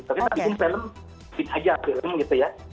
tapi kita bikin film fit aja film gitu ya